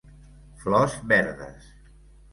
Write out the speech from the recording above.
Flors verdes.